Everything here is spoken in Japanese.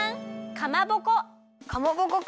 かまぼこか。